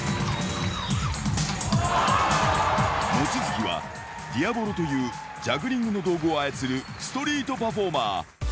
望月は、ディアボロというジャグリングの道具を操るストリートパフォーマー。